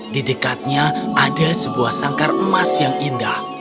di dekatnya ada sebuah sangkar emas yang indah